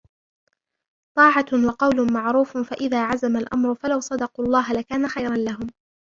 طاعة وقول معروف فإذا عزم الأمر فلو صدقوا الله لكان خيرا لهم